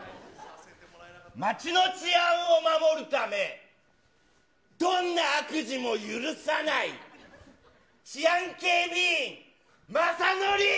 街の治安を守るため、どんな悪事も許さない、治安警備員、雅紀。